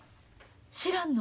知らんの？